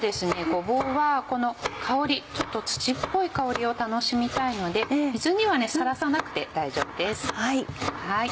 ごぼうはこの香りちょっと土っぽい香りを楽しみたいので水にはさらさなくて大丈夫です。